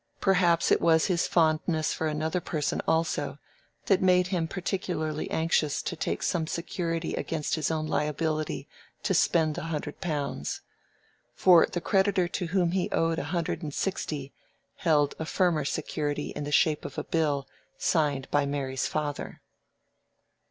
Perhaps it was his fondness for another person also that made him particularly anxious to take some security against his own liability to spend the hundred pounds. For the creditor to whom he owed a hundred and sixty held a firmer security in the shape of a bill signed by Mary's father.